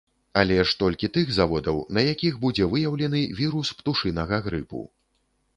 Але ж толькі тых заводаў, на якіх будзе выяўлены вірус птушынага грыпу.